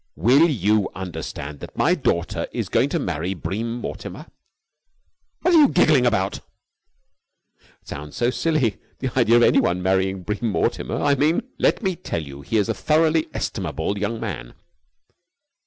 "Will you understand that my daughter is going to marry Bream Mortimer? What are you giggling about?" "It sounds so silly. The idea of anyone marrying Bream Mortimer, I mean." "Let me tell you he is a thoroughly estimable young man."